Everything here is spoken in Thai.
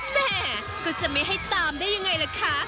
แม่ก็จะไม่ให้ตามได้ยังไงล่ะคะ